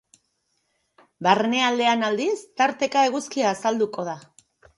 Barnealdean aldiz, tarteka eguzkia azalduko da.